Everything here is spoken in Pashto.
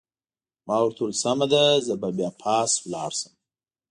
ما ورته وویل: سمه ده، زه به بیا پاس ولاړ شم.